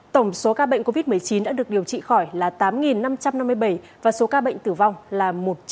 tổng số ca bệnh covid một mươi chín đã được điều trị khỏi là tám năm trăm năm mươi bảy và số ca bệnh tử vong là một trăm linh ca